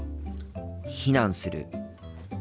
避難する。